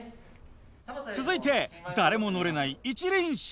続いて誰も乗れない一輪車。